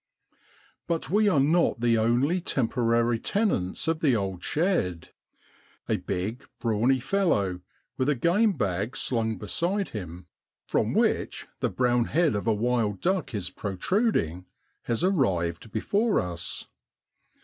But we are not the only temporary tenants of the old shed; a big, brawny fellow, with a game bag slung beside him, from which the brown head of a wild SEPTEMBER IN BROADLAND. 97 duck is protruding, has arrived before us.